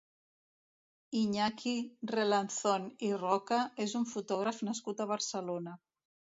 Iñaki Relanzón i Roca és un fotògraf nascut a Barcelona.